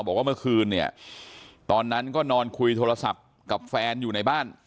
บอกว่าเมื่อคืนเนี่ยตอนนั้นก็นอนคุยโทรศัพท์กับแฟนอยู่ในบ้าน